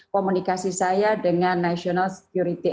komunikasi saya dengan national security